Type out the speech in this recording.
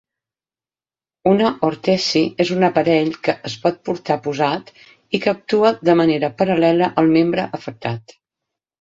Una ortesi és un aparell que es pot portar posat i que actua de manera paral·lela al membre afectat.